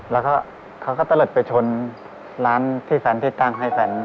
แล้วเขาเขาก็เตลดไปชนร้านที่แสนที่ตั้งให้แสน